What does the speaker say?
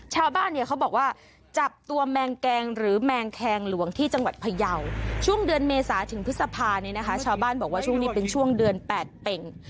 ชาวบ้านเนี่ยเขาบอกว่าจับตัวแมงแกงหรือแมงแคงหลวงที่จังหวัดพยาวช่วงเดือนเมษาถึงพฤษภาเนี่ยนะคะชาวบ้านบอกว่าช่วงนี้เป็นช่วงเดือนแปดเป่ง